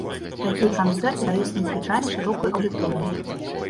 Такія канцэрты даюць незвычайна шырокую аўдыторыю.